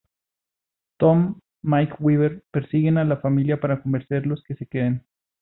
Tom, Mike Weaver persiguen a la familia para convencerlos que se queden.